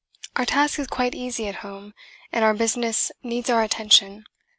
Our task is quite easy at home, and our business needs our attention.